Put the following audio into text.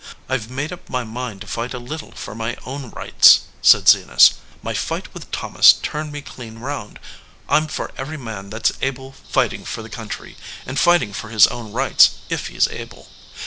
"I ve made up my mind to fight a little for my own rights," said Zenas. "My fight with Thomas turned me clean round. I m for every man that s able fighting for the country, and fighting for his own rights if he s able.